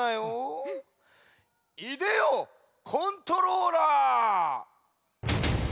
いでよコントローラー！